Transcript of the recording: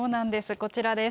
こちらです。